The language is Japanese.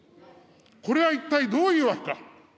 これは一体どういうわけか。